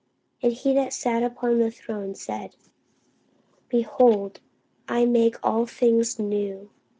And he that sat upon the throne said, Behold, I make all things new.